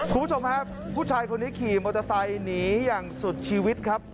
คุณผู้ชมครับผู้ชายคนนี้ขี่มอเตอร์ไซค์หนีอย่างสุดชีวิตครับ